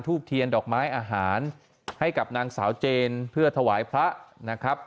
เทียนดอกไม้อาหารให้กับนางสาวเจนเพื่อถวายพระนะครับ